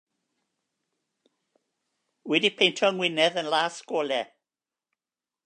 Dw i 'di peintio 'y ngwinadd yn las gola'.